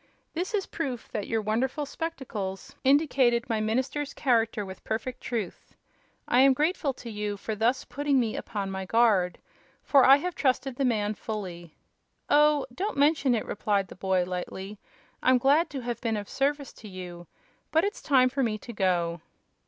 This is proof that your wonderful spectacles indicated my minister's character with perfect truth. I am grateful to you for thus putting me upon my guard, for I have trusted the man fully." "Oh, don't mention it," replied the boy, lightly; "I'm glad to have been of service to you. But it's time for me to go."